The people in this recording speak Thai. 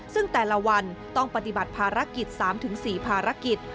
ซึ่งแต่ละวันต้องปฏิบัติภารกิจ๓๔ภารกิจ